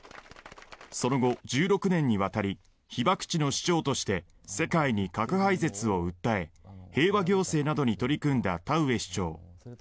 その後、１６年にわたり被爆地の市長として世界に核廃絶を訴え平和行政などに取り組んだ田上市長。